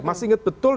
masih ingat betul